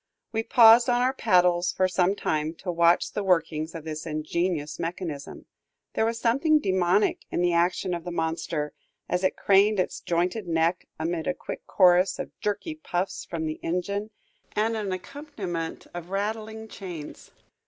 We paused on our paddles for some time, to watch the workings of the ingenious mechanism. There was something demoniac in the action of the monster, as it craned its jointed neck amid a quick chorus of jerky puffs from the engine and an accompaniment of rattling chains.